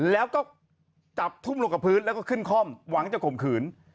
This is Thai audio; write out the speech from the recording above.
แล้วก็จับทุ่มลงกับพื้นแล้วก็ขึ้นคล่อมหวังจะข่มขืน